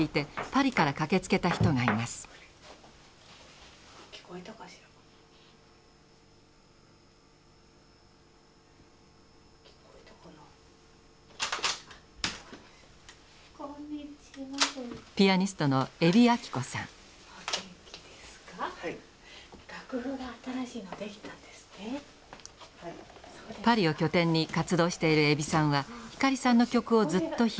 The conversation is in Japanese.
パリを拠点に活動している海老さんは光さんの曲をずっと弾いています。